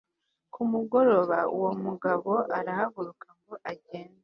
ku mugoroba uwo mugabo j arahaguruka ngo agende